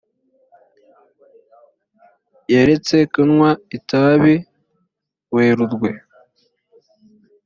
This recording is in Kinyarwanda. yaretse kunywa itabi werurwe